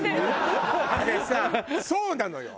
あれさそうなのよ。